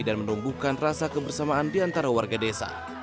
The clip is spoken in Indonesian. dan menumbuhkan rasa kebersamaan di antara warga desa